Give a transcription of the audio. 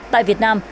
tại việt nam